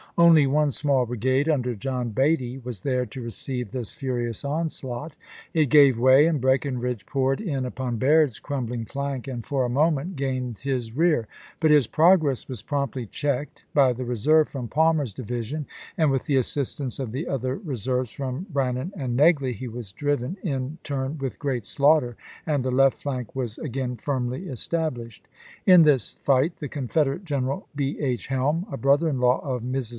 Only one small bri gade, under John Beatty, was there to receive this furious onslaught ; it gave way, and Breckinridge poured in upon Bau'd's crumbling flank and, for a moment, gained his rear; but his progress was promptly cheeked by the reserve from Palmer's division, and with the assistance of the other re serves from Brannan and Xegley he was driven, in turn, with great slaughter, and the left flank was again firmly established. In this fight the Confed erate general B. H. Helm, a brother in law of Mi's.